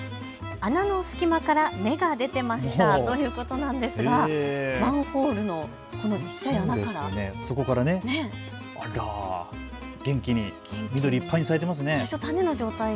穴の隙間から芽が出てましたということなんですがマンホールの小っちゃい穴から元気に緑いっぱいに育っていますね。